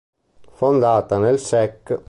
Fondata nel sec.